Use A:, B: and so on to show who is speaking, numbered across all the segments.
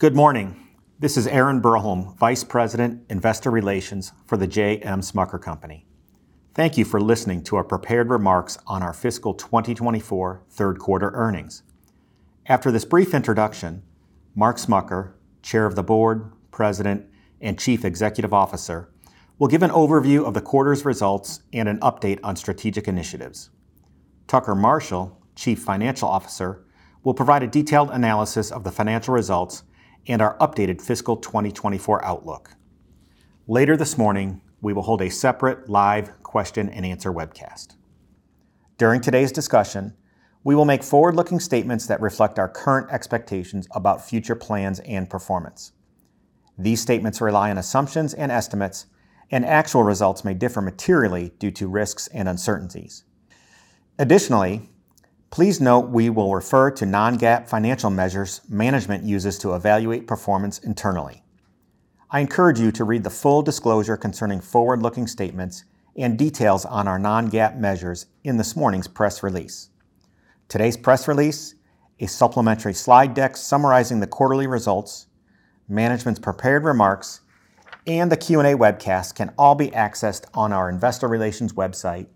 A: Good morning. This is Aaron Broholm, Vice President, Investor Relations, for The J.M. Smucker Company. Thank you for listening to our prepared remarks on our fiscal 2024 third quarter earnings. After this brief introduction, Mark Smucker, Chair of the Board, President, and Chief Executive Officer, will give an overview of the quarter's results and an update on strategic initiatives. Tucker Marshall, Chief Financial Officer, will provide a detailed analysis of the financial results and our updated fiscal 2024 outlook. Later this morning, we will hold a separate live question-and-answer webcast. During today's discussion, we will make forward-looking statements that reflect our current expectations about future plans and performance. These statements rely on assumptions and estimates, and actual results may differ materially due to risks and uncertainties. Additionally, please note we will refer to non-GAAP financial measures management uses to evaluate performance internally. I encourage you to read the full disclosure concerning forward-looking statements and details on our non-GAAP measures in this morning's press release. Today's press release, a supplementary slide deck summarizing the quarterly results, management's prepared remarks, and the Q&A webcast can all be accessed on our investor relations website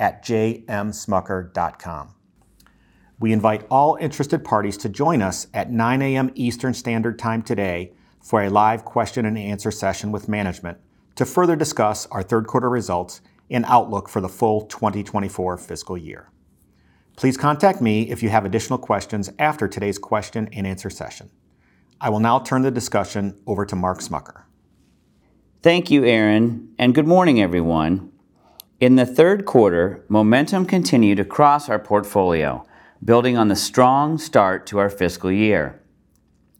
A: at jmsmucker.com. We invite all interested parties to join us at 9:00 A.M. Eastern Standard Time today for a live question-and-answer session with management to further discuss our third quarter results and outlook for the full 2024 fiscal year. Please contact me if you have additional questions after today's question-and-answer session. I will now turn the discussion over to Mark Smucker.
B: Thank you, Aaron, and good morning, everyone. In the third quarter, momentum continued across our portfolio, building on the strong start to our fiscal year.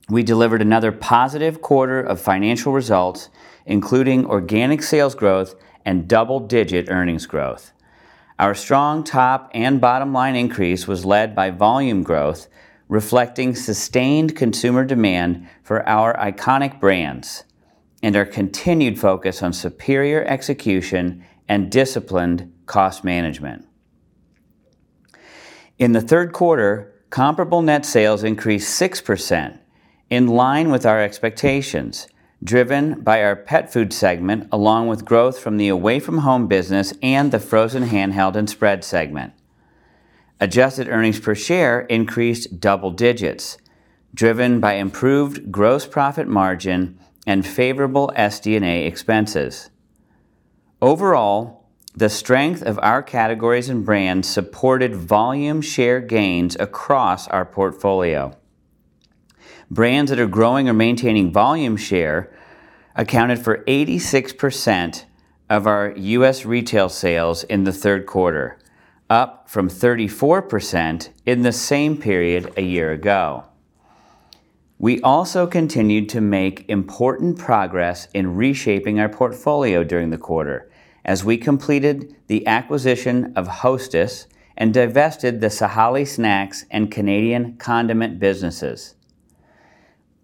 B: We delivered another positive quarter of financial results, including organic sales growth and double-digit earnings growth. Our strong top and bottom line increase was led by volume growth, reflecting sustained consumer demand for our iconic brands and our continued focus on superior execution and disciplined cost management. In the third quarter, comparable net sales increased 6%, in line with our expectations, driven by our pet food segment along with growth from the away-from-home business and the frozen handheld and spread segment. Adjusted earnings per share increased double digits, driven by improved gross profit margin and favorable SD&A expenses. Overall, the strength of our categories and brands supported volume share gains across our portfolio. Brands that are growing or maintaining volume share accounted for 86% of our U.S. retail sales in the third quarter, up from 34% in the same period a year ago. We also continued to make important progress in reshaping our portfolio during the quarter as we completed the acquisition of Hostess and divested the Sahale Snacks and Canadian Condiment businesses.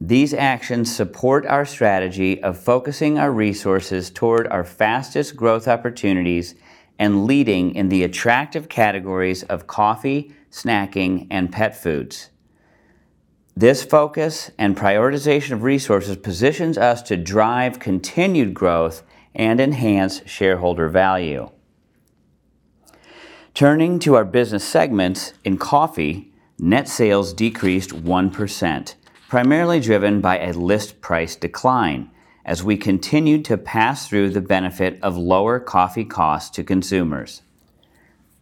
B: These actions support our strategy of focusing our resources toward our fastest growth opportunities and leading in the attractive categories of coffee, snacking, and pet foods. This focus and prioritization of resources positions us to drive continued growth and enhance shareholder value. Turning to our business segments in coffee, net sales decreased 1%, primarily driven by a list price decline as we continued to pass through the benefit of lower coffee costs to consumers.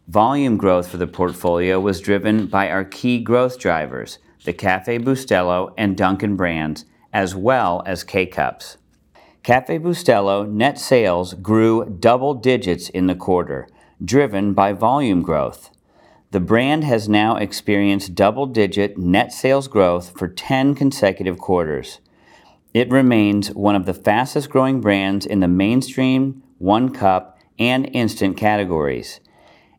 B: Volume growth for the portfolio was driven by our key growth drivers, the Café Bustelo and Dunkin' brands, as well as K-Cups. Café Bustelo net sales grew double digits in the quarter, driven by volume growth. The brand has now experienced double-digit net sales growth for 10 consecutive quarters. It remains one of the fastest-growing brands in the mainstream, one-cup, and instant categories.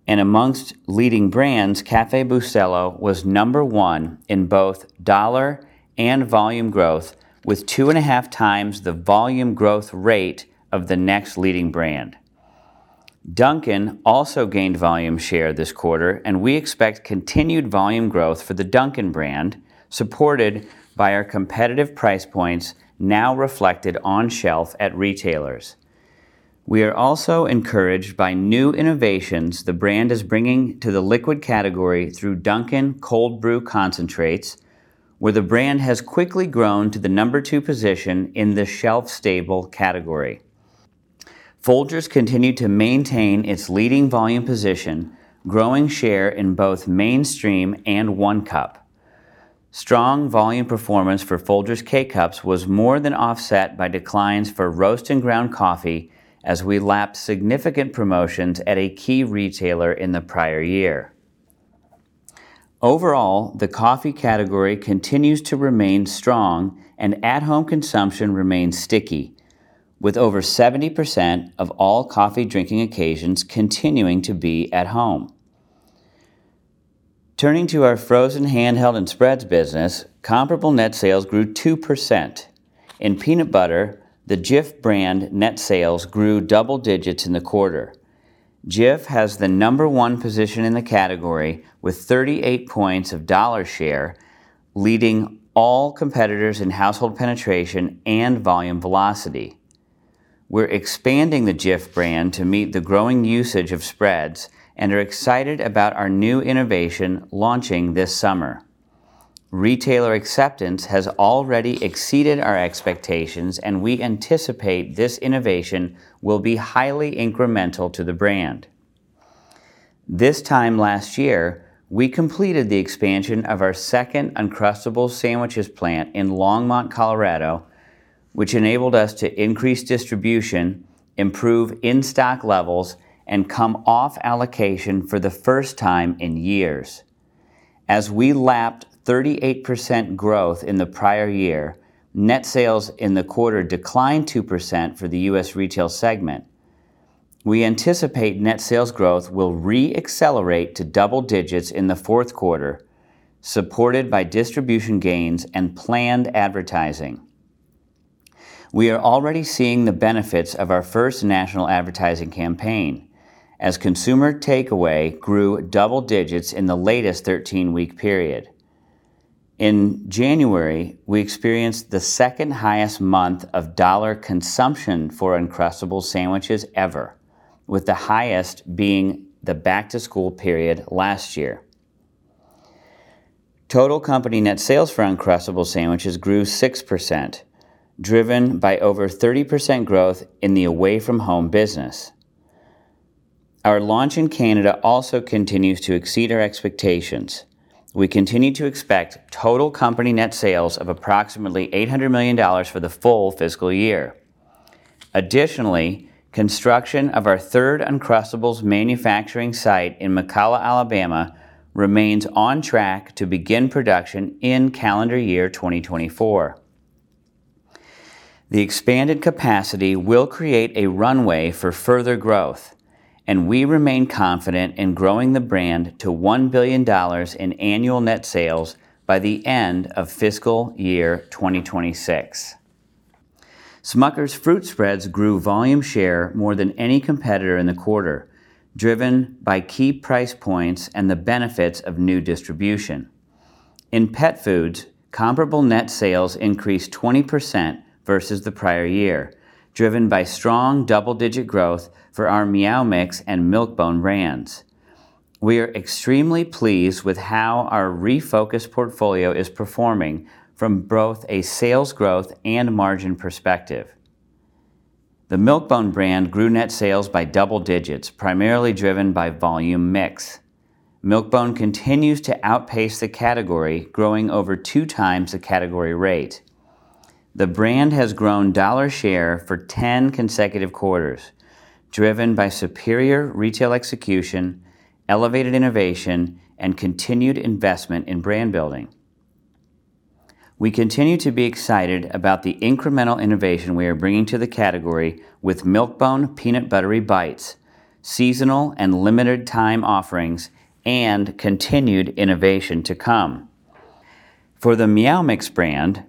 B: And amongst leading brands, Café Bustelo was number one in both dollar and volume growth, with two and a half times the volume growth rate of the next leading brand. Dunkin' also gained volume share this quarter, and we expect continued volume growth for the Dunkin' brand, supported by our competitive price points now reflected on-shelf at retailers. We are also encouraged by new innovations the brand is bringing to the liquid category through Dunkin' Cold Brew Concentrates, where the brand has quickly grown to the number two position in the shelf-stable category. Folgers continued to maintain its leading volume position, growing share in both mainstream and one-cup. Strong volume performance for Folgers K-Cups was more than offset by declines for roast and ground coffee as we lapped significant promotions at a key retailer in the prior year. Overall, the coffee category continues to remain strong, and at-home consumption remains sticky, with over 70% of all coffee drinking occasions continuing to be at home. Turning to our frozen handheld and spreads business, comparable net sales grew 2%. In peanut butter, the Jif brand net sales grew double digits in the quarter. Jif has the number one position in the category with 38 points of dollar share, leading all competitors in household penetration and volume velocity. We're expanding the Jif brand to meet the growing usage of spreads and are excited about our new innovation launching this summer. Retailer acceptance has already exceeded our expectations, and we anticipate this innovation will be highly incremental to the brand. This time last year, we completed the expansion of our second Uncrustables sandwiches plant in Longmont, Colorado, which enabled us to increase distribution, improve in-stock levels, and come off allocation for the first time in years. As we lapped 38% growth in the prior year, net sales in the quarter declined 2% for the U.S. retail segment. We anticipate net sales growth will re-accelerate to double digits in the fourth quarter, supported by distribution gains and planned advertising. We are already seeing the benefits of our first national advertising campaign, as consumer takeaway grew double digits in the latest 13-week period. In January, we experienced the second-highest month of dollar consumption for Uncrustables sandwiches ever, with the highest being the back-to-school period last year. Total company net sales for Uncrustables sandwiches grew 6%, driven by over 30% growth in the away-from-home business. Our launch in Canada also continues to exceed our expectations. We continue to expect total company net sales of approximately $800 million for the full fiscal year. Additionally, construction of our third Uncrustables manufacturing site in McCalla, Alabama, remains on track to begin production in calendar year 2024. The expanded capacity will create a runway for further growth, and we remain confident in growing the brand to $1 billion in annual net sales by the end of fiscal year 2026. Smucker's fruit spreads grew volume share more than any competitor in the quarter, driven by key price points and the benefits of new distribution. In pet foods, comparable net sales increased 20% versus the prior year, driven by strong double-digit growth for our Meow Mix and Milk-Bone brands. We are extremely pleased with how our refocused portfolio is performing from both a sales growth and margin perspective. The Milk-Bone brand grew net sales by double digits, primarily driven by volume mix. Milk-Bone continues to outpace the category, growing over two times the category rate. The brand has grown dollar share for 10 consecutive quarters, driven by superior retail execution, elevated innovation, and continued investment in brand building. We continue to be excited about the incremental innovation we are bringing to the category with Milk-Bone, Peanut Buttery Bites, seasonal and limited-time offerings, and continued innovation to come. For the Meow Mix brand,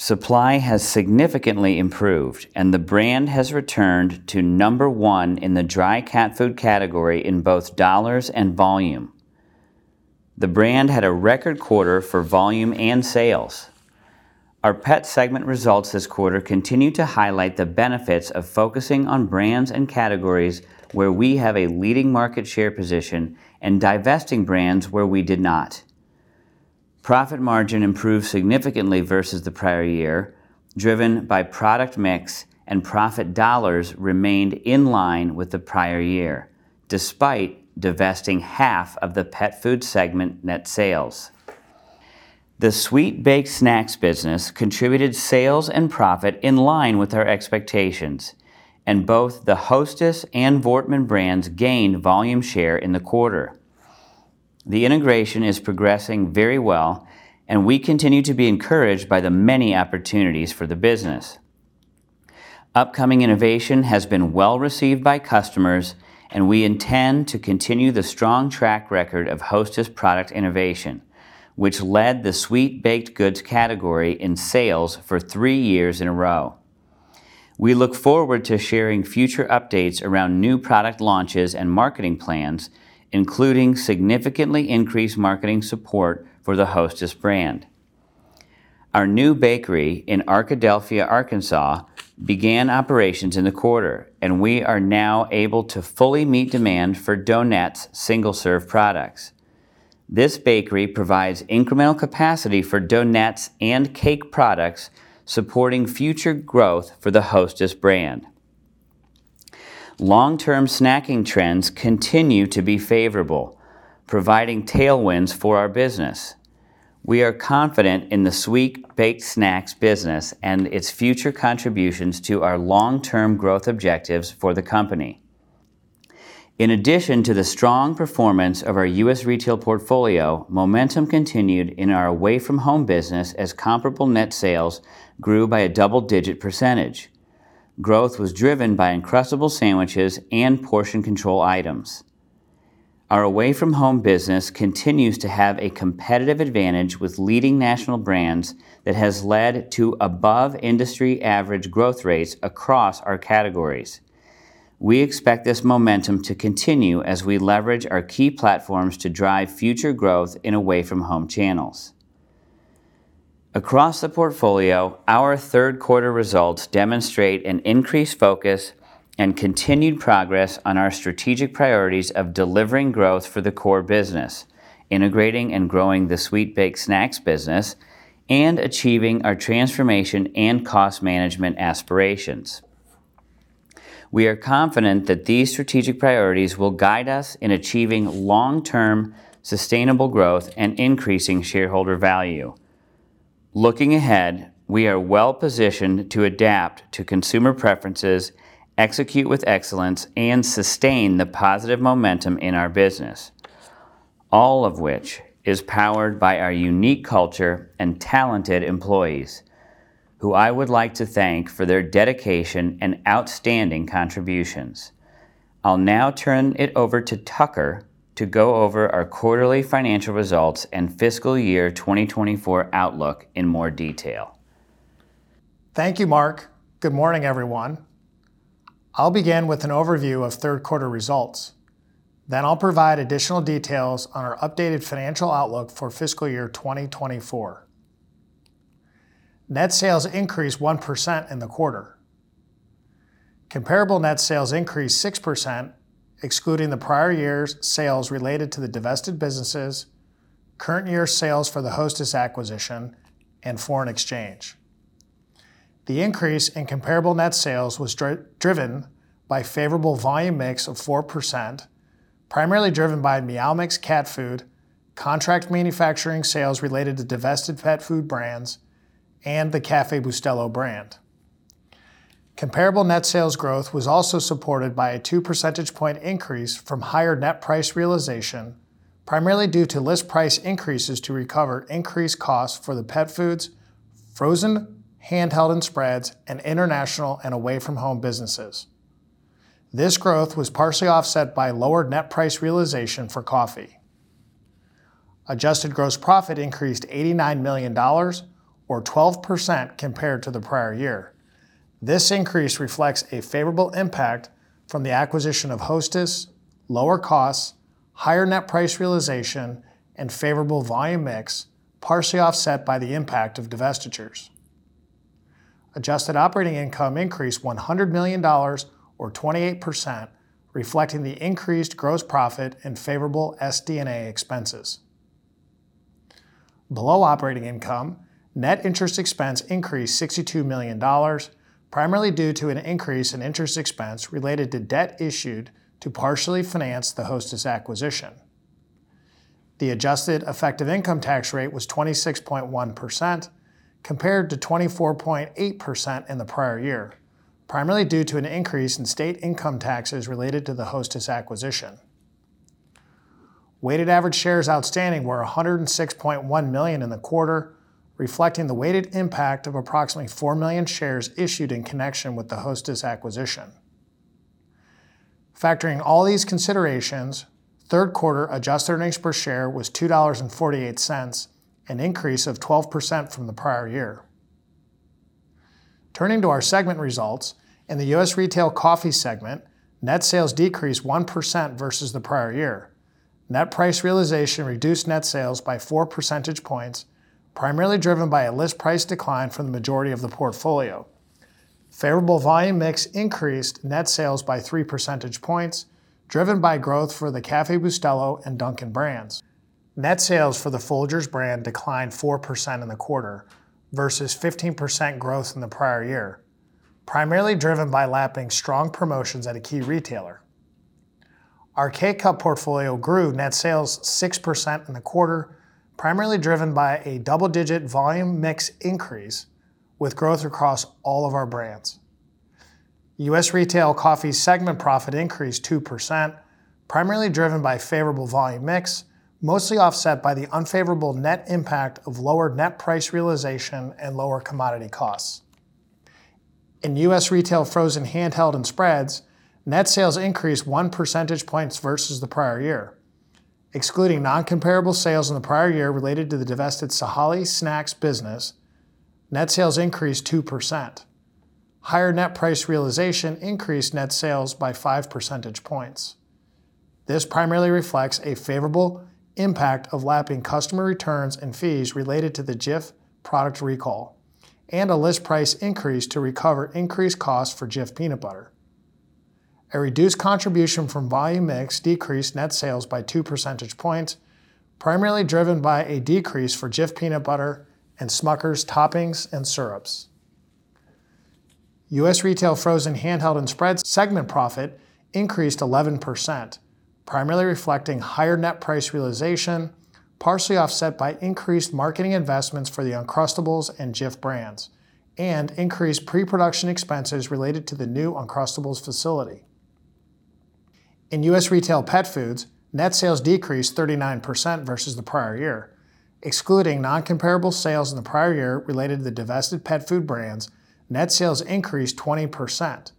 B: supply has significantly improved, and the brand has returned to number one in the dry cat food category in both dollars and volume. The brand had a record quarter for volume and sales. Our pet segment results this quarter continue to highlight the benefits of focusing on brands and categories where we have a leading market share position and divesting brands where we did not. Profit margin improved significantly versus the prior year, driven by product mix, and profit dollars remained in line with the prior year, despite divesting half of the pet food segment net sales. The sweet baked snacks business contributed sales and profit in line with our expectations, and both the Hostess and Voortman brands gained volume share in the quarter. The integration is progressing very well, and we continue to be encouraged by the many opportunities for the business. Upcoming innovation has been well received by customers, and we intend to continue the strong track record of Hostess product innovation, which led the sweet baked goods category in sales for three years in a row. We look forward to sharing future updates around new product launches and marketing plans, including significantly increased marketing support for the Hostess brand. Our new bakery in Arkadelphia, Arkansas, began operations in the quarter, and we are now able to fully meet demand for donuts single-serve products. This bakery provides incremental capacity for donuts and cake products, supporting future growth for the Hostess brand. Long-term snacking trends continue to be favorable, providing tailwinds for our business. We are confident in the sweet baked snacks business and its future contributions to our long-term growth objectives for the company. In addition to the strong performance of our U.S. retail portfolio, momentum continued in our away-from-home business as comparable net sales grew by a double-digit percentage. Growth was driven by Uncrustables sandwiches and portion control items. Our away-from-home business continues to have a competitive advantage with leading national brands that has led to above-industry average growth rates across our categories. We expect this momentum to continue as we leverage our key platforms to drive future growth in away-from-home channels. Across the portfolio, our third quarter results demonstrate an increased focus and continued progress on our strategic priorities of delivering growth for the core business, integrating and growing the sweet baked snacks business, and achieving our transformation and cost management aspirations. We are confident that these strategic priorities will guide us in achieving long-term sustainable growth and increasing shareholder value. Looking ahead, we are well positioned to adapt to consumer preferences, execute with excellence, and sustain the positive momentum in our business, all of which is powered by our unique culture and talented employees, who I would like to thank for their dedication and outstanding contributions. I'll now turn it over to Tucker to go over our quarterly financial results and fiscal year 2024 outlook in more detail.
C: Thank you, Mark. Good morning, everyone. I'll begin with an overview of third quarter results. Then I'll provide additional details on our updated financial outlook for fiscal year 2024. Net sales increased 1% in the quarter. Comparable Net Sales increased 6%, excluding the prior year's sales related to the divested businesses, current year's sales for the Hostess acquisition, and foreign exchange. The increase in Comparable Net Sales was driven by favorable Volume Mix of 4%, primarily driven by Meow Mix, cat food, contract manufacturing sales related to divested pet food brands, and the Café Bustelo brand. Comparable Net Sales growth was also supported by a 2 percentage point increase from higher Net Price Realization, primarily due to list price increases to recover increased costs for the pet foods, frozen handheld and spreads, and international and away-from-home businesses. This growth was partially offset by lowered Net Price Realization for coffee. Adjusted Gross Profit increased $89 million, or 12% compared to the prior year. This increase reflects a favorable impact from the acquisition of Hostess, lower costs, higher Net Price Realization, and favorable Volume Mix, partially offset by the impact of divestitures. Adjusted Operating Income increased $100 million, or 28%, reflecting the increased gross profit and favorable SD&A expenses. Below operating income, net interest expense increased $62 million, primarily due to an increase in interest expense related to debt issued to partially finance the Hostess acquisition. The adjusted effective income tax rate was 26.1%, compared to 24.8% in the prior year, primarily due to an increase in state income taxes related to the Hostess acquisition. Weighted average shares outstanding were 106.1 million in the quarter, reflecting the weighted impact of approximately four million shares issued in connection with the Hostess acquisition. Factoring all these considerations, third quarter adjusted earnings per share was $2.48, an increase of 12% from the prior year. Turning to our segment results, in the U.S. retail coffee segment, net sales decreased 1% versus the prior year. Net price realization reduced net sales by four percentage points, primarily driven by a list price decline from the majority of the portfolio. Favorable volume mix increased net sales by 3 percentage points, driven by growth for the Café Bustelo and Dunkin' brands. Net sales for the Folgers brand declined 4% in the quarter versus 15% growth in the prior year, primarily driven by lapping strong promotions at a key retailer. Our K-Cup portfolio grew net sales 6% in the quarter, primarily driven by a double-digit volume mix increase with growth across all of our brands. U.S. retail coffee segment profit increased 2%, primarily driven by favorable volume mix, mostly offset by the unfavorable net impact of lowered net price realization and lower commodity costs. In U.S. retail frozen handheld and spreads, net sales increased 1 percentage points versus the prior year. Excluding non-comparable sales in the prior year related to the divested Sahale snacks business, net sales increased 2%. Higher net price realization increased net sales by 5 percentage points. This primarily reflects a favorable impact of lapping customer returns and fees related to the Jif product recall, and a list price increase to recover increased costs for Jif peanut butter. A reduced contribution from volume mix decreased net sales by 2 percentage points, primarily driven by a decrease for Jif peanut butter and Smucker's toppings and syrups. U.S. retail frozen handheld and spreads segment profit increased 11%, primarily reflecting higher net price realization, partially offset by increased marketing investments for the Uncrustables and Jif brands, and increased pre-production expenses related to the new Uncrustables facility. In U.S. retail pet foods, net sales decreased 39% versus the prior year. Excluding non-comparable sales in the prior year related to the divested pet food brands, net sales increased 20%.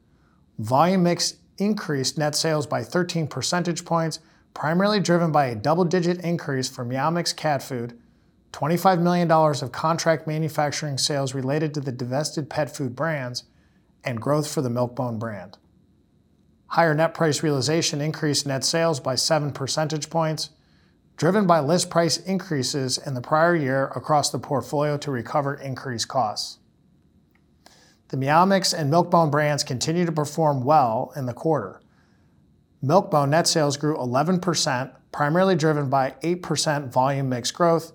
C: Volume mix increased net sales by 13 percentage points, primarily driven by a double-digit increase from Meow Mix cat food, $25 million of contract manufacturing sales related to the divested pet food brands, and growth for the Milk-Bone brand. Higher net price realization increased net sales by 7 percentage points, driven by list price increases in the prior year across the portfolio to recover increased costs. The Meow Mix and Milk-Bone brands continue to perform well in the quarter. Milk-Bone net sales grew 11%, primarily driven by 8% volume mix growth.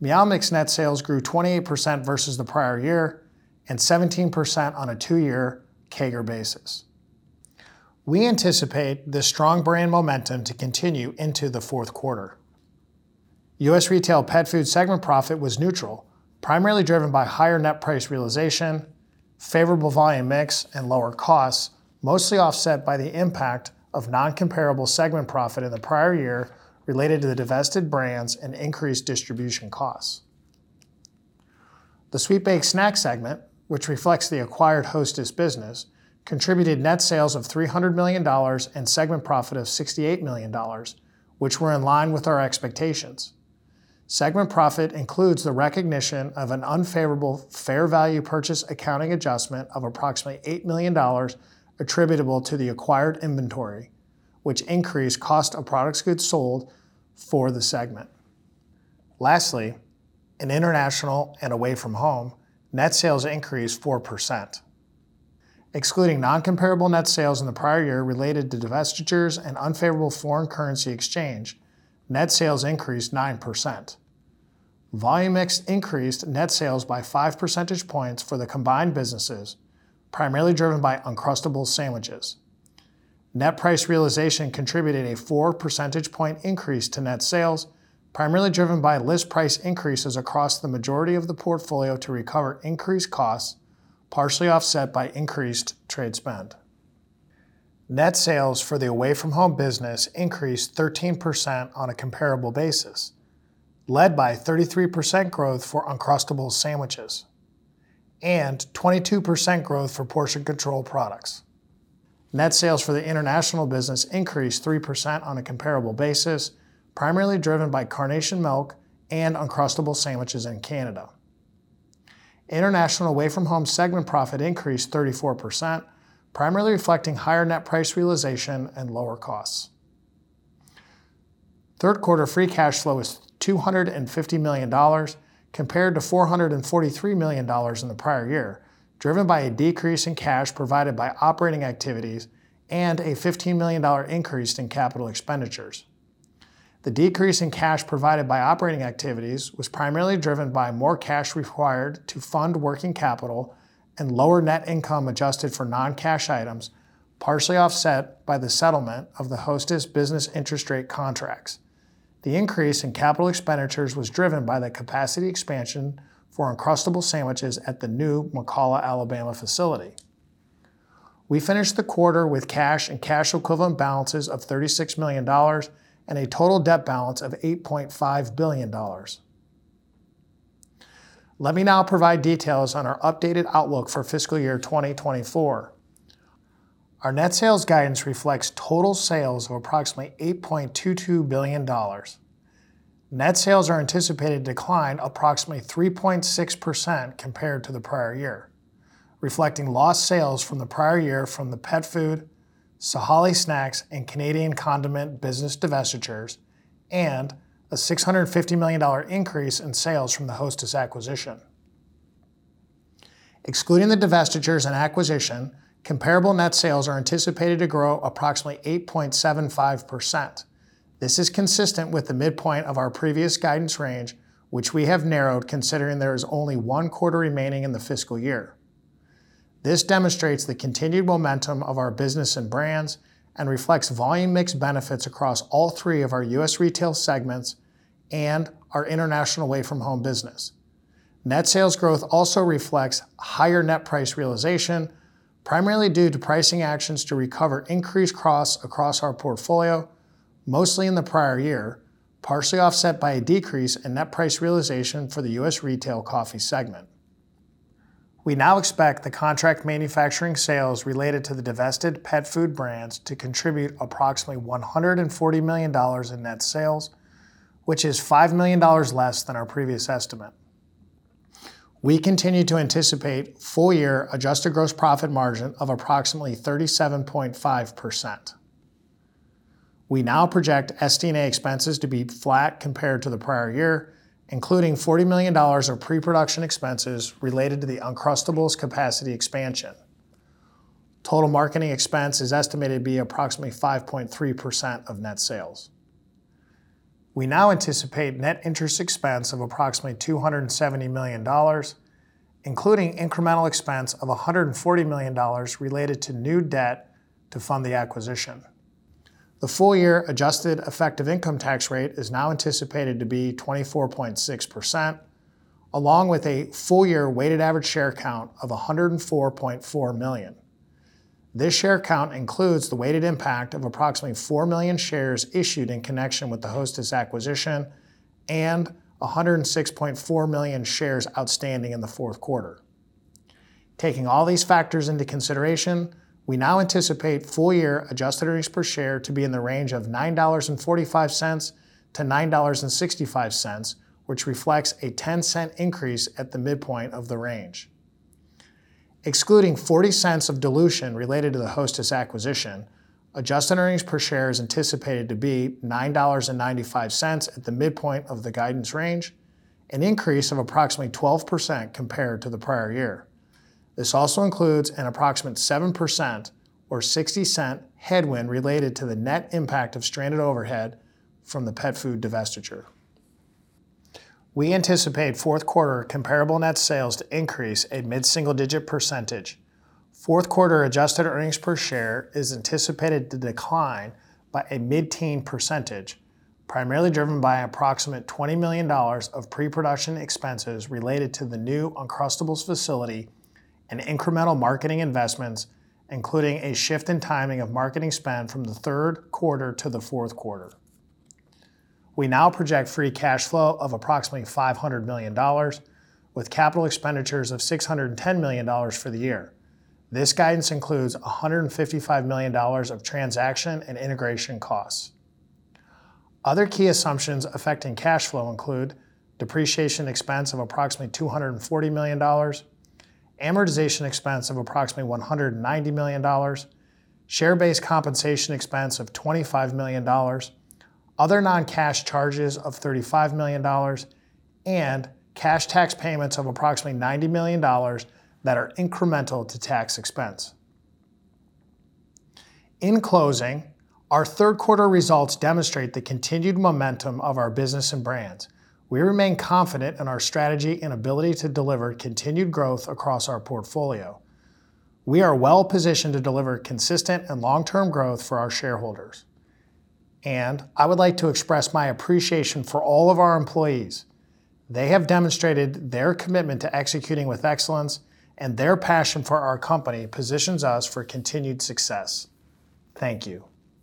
C: Meow Mix net sales grew 28% versus the prior year, and 17% on a two-year CAGR basis. We anticipate this strong brand momentum to continue into the fourth quarter. U.S. Retail pet food segment profit was neutral, primarily driven by higher net price realization, favorable volume mix, and lower costs, mostly offset by the impact of non-comparable segment profit in the prior year related to the divested brands and increased distribution costs. The sweet baked snacks segment, which reflects the acquired Hostess business, contributed net sales of $300 million and segment profit of $68 million, which were in line with our expectations. Segment profit includes the recognition of an unfavorable fair value purchase accounting adjustment of approximately $8 million attributable to the acquired inventory, which increased cost of goods sold for the segment. Lastly, in international and away-from-home, net sales increased 4%. Excluding non-comparable net sales in the prior year related to divestitures and unfavorable foreign currency exchange, net sales increased 9%. Volume mix increased net sales by 5 percentage points for the combined businesses, primarily driven by Uncrustables sandwiches. Net price realization contributed a 4 percentage point increase to net sales, primarily driven by list price increases across the majority of the portfolio to recover increased costs, partially offset by increased trade spend. Net sales for the away-from-home business increased 13% on a comparable basis, led by 33% growth for Uncrustables sandwiches and 22% growth for portion control products. Net sales for the international business increased 3% on a comparable basis, primarily driven by Carnation milk and Uncrustables sandwiches in Canada. International away-from-home segment profit increased 34%, primarily reflecting higher net price realization and lower costs. Third quarter free cash flow was $250 million, compared to $443 million in the prior year, driven by a decrease in cash provided by operating activities and a $15 million increase in capital expenditures. The decrease in cash provided by operating activities was primarily driven by more cash required to fund working capital and lower net income adjusted for non-cash items, partially offset by the settlement of the Hostess business interest rate contracts. The increase in capital expenditures was driven by the capacity expansion for Uncrustables sandwiches at the new McCalla, Alabama facility. We finished the quarter with cash and cash equivalent balances of $36 million and a total debt balance of $8.5 billion. Let me now provide details on our updated outlook for fiscal year 2024. Our net sales guidance reflects total sales of approximately $8.22 billion. Net sales are anticipated to decline approximately 3.6% compared to the prior year, reflecting lost sales from the prior year from the pet food, Sahale Snacks, and Canadian condiment business divestitures, and a $650 million increase in sales from the Hostess acquisition. Excluding the divestitures and acquisition, comparable net sales are anticipated to grow approximately 8.75%. This is consistent with the midpoint of our previous guidance range, which we have narrowed considering there is only one quarter remaining in the fiscal year. This demonstrates the continued momentum of our business and brands and reflects volume mix benefits across all three of our U.S. retail segments and our international away-from-home business. Net sales growth also reflects higher net price realization, primarily due to pricing actions to recover increased costs across our portfolio, mostly in the prior year, partially offset by a decrease in net price realization for the U.S. retail coffee segment. We now expect the contract manufacturing sales related to the divested pet food brands to contribute approximately $140 million in net sales, which is $5 million less than our previous estimate. We continue to anticipate full-year adjusted gross profit margin of approximately 37.5%. We now project SD&A expenses to be flat compared to the prior year, including $40 million of pre-production expenses related to the Uncrustables capacity expansion. Total marketing expense is estimated to be approximately 5.3% of net sales. We now anticipate net interest expense of approximately $270 million, including incremental expense of $140 million related to new debt to fund the acquisition. The full-year adjusted effective income tax rate is now anticipated to be 24.6%, along with a full-year weighted average share count of 104.4 million. This share count includes the weighted impact of approximately 4 million shares issued in connection with the Hostess acquisition and 106.4 million shares outstanding in the fourth quarter. Taking all these factors into consideration, we now anticipate full-year Adjusted Earnings Per Share to be in the range of $9.45-$9.65, which reflects a $0.10 increase at the midpoint of the range. Excluding $0.40 of dilution related to the Hostess acquisition, Adjusted Earnings Per Share is anticipated to be $9.95 at the midpoint of the guidance range, an increase of approximately 12% compared to the prior year. This also includes an approximate 7% or $0.60 headwind related to the net impact of stranded overhead from the pet food divestiture. We anticipate fourth quarter comparable net sales to increase a mid-single-digit percentage. Fourth quarter adjusted earnings per share is anticipated to decline by a mid-teen %, primarily driven by approximately $20 million of pre-production expenses related to the new Uncrustables facility and incremental marketing investments, including a shift in timing of marketing spend from the third quarter to the fourth quarter. We now project free cash flow of approximately $500 million, with capital expenditures of $610 million for the year. This guidance includes $155 million of transaction and integration costs. Other key assumptions affecting cash flow include depreciation expense of approximately $240 million, amortization expense of approximately $190 million, share-based compensation expense of $25 million, other non-cash charges of $35 million, and cash tax payments of approximately $90 million that are incremental to tax expense. In closing, our third quarter results demonstrate the continued momentum of our business and brands. We remain confident in our strategy and ability to deliver continued growth across our portfolio. We are well-positioned to deliver consistent and long-term growth for our shareholders. I would like to express my appreciation for all of our employees. They have demonstrated their commitment to executing with excellence, and their passion for our company positions us for continued success. Thank you.